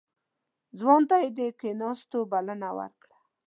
ځوان ته يې د کېناستو بلنه ورکړه.